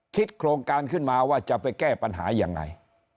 โครงการขึ้นมาว่าจะไปแก้ปัญหายังไง